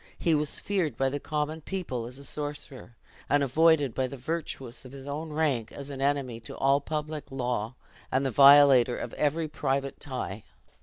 He was feared by the common people as a sorcerer; and avoided by the virtuous of his own rank, as an enemy to all public law, and the violator of every private tie.